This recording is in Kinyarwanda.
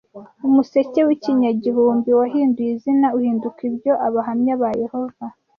Umuseke w'ikinyagihumbi wahinduye izina uhinduka ibyo Abahamya ba Yehova